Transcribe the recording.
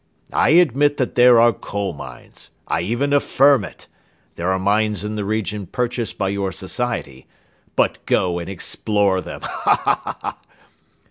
I admit that there are coal mines; I even affirm it, there are mines in the region purchased by your society, but go and explore them ha! ha! ha!"